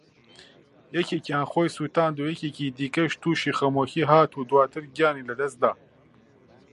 یەکێکیان خۆی سوتاند و یەکێکی دیکەش تووشی خەمۆکی هات و دواتر گیانی لەدەستدا